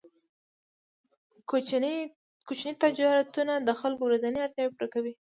کوچني تجارتونه د خلکو ورځنۍ اړتیاوې پوره کوي.